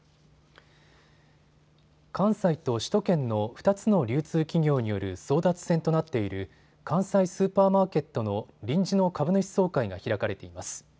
関西と首都圏の２つの流通企業による争奪戦となっている関西スーパーマーケットの臨時の株主総会が開かれています。